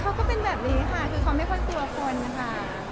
เขาก็เป็นแบบนี้ค่ะคือเขาไม่ควรกลัวคนนะคะ